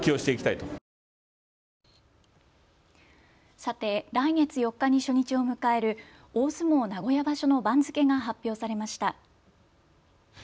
さて、来月４日に初日を迎える大相撲名古屋場所の番付が発表されました。